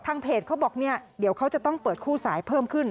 เพจเขาบอกเนี่ยเดี๋ยวเขาจะต้องเปิดคู่สายเพิ่มขึ้น